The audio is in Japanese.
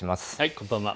こんばんは。